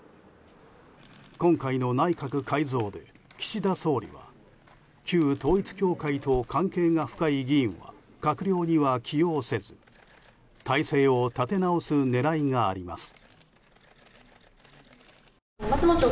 今回の内閣改造で岸田総理は旧統一教会と関係が深い議員は閣僚には起用せず態勢を立て直す狙いがあります。